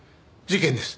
事件です。